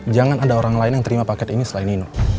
jangan ada orang lain yang terima paket ini selain nino